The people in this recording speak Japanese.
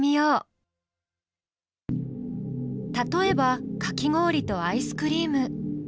例えばかき氷とアイスクリーム。